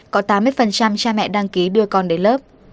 có tám mươi cha mẹ đăng ký đưa con đến lớp